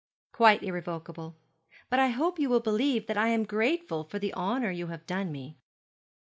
'Quite irrevocable. But I hope you believe that I am grateful for the honour you have done me.'